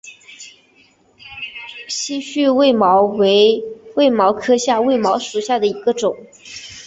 稀序卫矛为卫矛科卫矛属下的一个种。